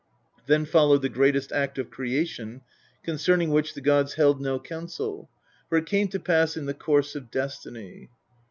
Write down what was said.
Then followed the greatest act of creation, concerning which the gods held no council, for it came to pass in the course of destiny.